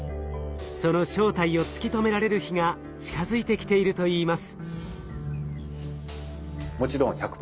その正体を突き止められる日が近づいてきているといいます。